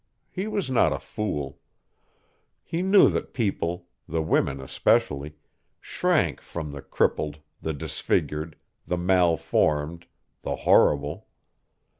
He was not a fool. He knew that people, the women especially, shrank from the crippled, the disfigured, the malformed, the horrible.